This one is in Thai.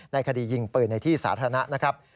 คดียิงปืนในที่สาธารณะนะครับ